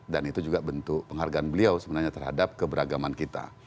dan itu juga bentuk penghargaan beliau sebenarnya terhadap keberagaman kita